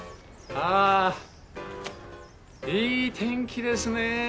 あいい天気ですね。